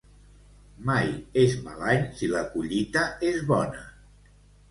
Mai és mal any si la collita és bona.